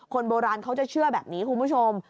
คนโบราณเขาจะเชื่อแบบนี้คุณผู้ชม